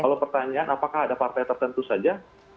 kalau pertanyaan apakah ada partai tertentu saja